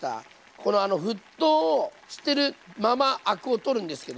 この沸騰をしてるままアクを取るんですけど。